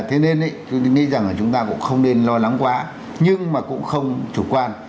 thế nên tôi nghĩ rằng là chúng ta cũng không nên lo lắng quá nhưng mà cũng không chủ quan